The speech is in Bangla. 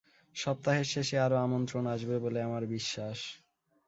সপ্তাহের শেষে আরও আমন্ত্রণ আসবে বলে আমার বিশ্বাস।